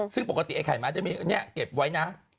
ซึ่งปกติไอ้ไข่ไม้จะมีเนี่ยเก็บไว้นะ